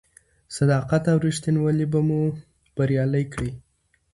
صداقت او رښتینولي به مو بریالي کړي.